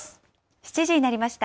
７時になりました。